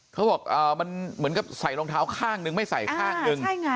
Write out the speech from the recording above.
เขาบอกมันเหมือนกับใส่รองเท้าข้างนึงไม่ใส่ข้างหนึ่ง